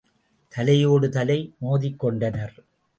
தலையோடு தலை மோதிக் கொண்டனர்.